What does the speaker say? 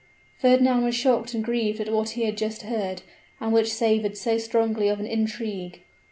Fernand was shocked and grieved at what he had just heard, and which savored so strongly of an intrigue.